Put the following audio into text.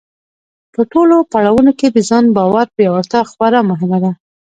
په ټولو پړاوونو کې د ځان باور پیاوړتیا خورا مهمه ده.